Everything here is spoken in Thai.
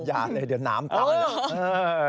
อย่าเลยเดี๋ยวน้ำต่ำอีก